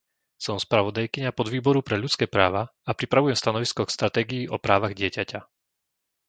Som spravodajkyňa Podvýboru pre ľudské práva a pripravujem stanovisko k stratégii o právach dieťaťa.